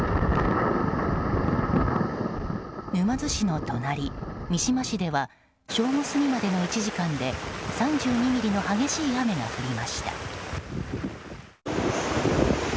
沼津市の隣、三島市では正午過ぎまでの１時間で３２ミリの激しい雨が降りました。